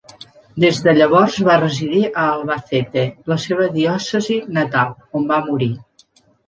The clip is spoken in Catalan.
Des de llavors va residir a Albacete, la seva diòcesi natal, on va morir.